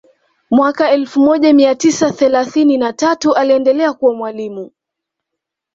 Mwaka wa elfu moja mia tisa thelathinni na tatu aliendelea kuwa mwalimu